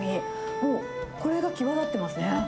もうこれが際立ってますね。